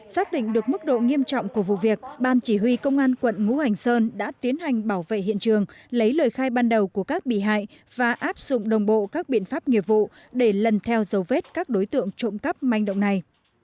xác định được mức độ nghiêm trọng của vụ việc ban chỉ huy công an quận ngũ hành sơn đã tiến hành bảo vệ hiện trường lấy lời khai ban đầu của các bị hại và áp dụng đồng bộ các biện pháp nghiệp vụ để lần theo dấu vết các đối tượng trộm cắp manh động này